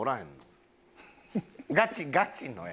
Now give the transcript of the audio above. ガチガチのやで。